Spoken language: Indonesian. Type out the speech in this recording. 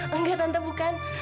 enggak tante bukan